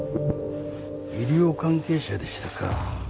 医療関係者でしたか